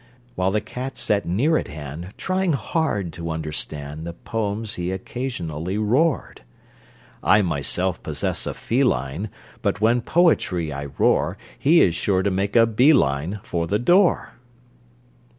While the cat sat near at hand, Trying hard to understand The poems he occasionally roared. (I myself possess a feline, But when poetry I roar He is sure to make a bee line For the door.)